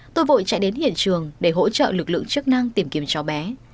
tôi vội chạy đến hiện trường để hỗ trợ lực lượng chức năng tìm kiếm cháu bé